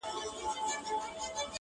وجود چي د ژوند ټوله محبت خاورې ايرې کړ؛